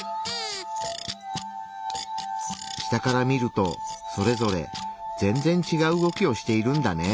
下から見るとそれぞれ全然違う動きをしているんだね。